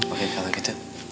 oke kalau gitu